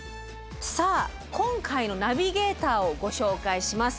さあ今回のナビゲーターをご紹介します。